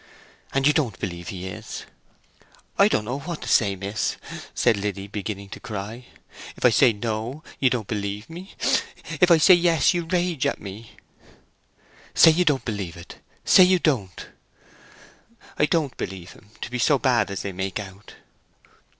"And you don't believe he is?" "I don't know what to say, miss," said Liddy, beginning to cry. "If I say No, you don't believe me; and if I say Yes, you rage at me!" "Say you don't believe it—say you don't!" "I don't believe him to be so bad as they make out."